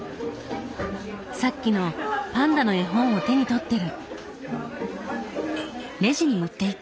さっきのパンダの絵本を手に取ってる！